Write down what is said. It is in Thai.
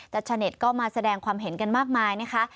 แต่ชาวเน็ตก็มาแสดงความเห็นกันมากมายนะคะ